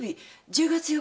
１０月４日。